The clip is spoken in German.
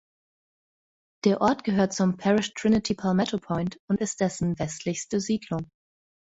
Der Ort gehört zum Parish Trinity Palmetto Point und ist dessen westlichste Siedlung.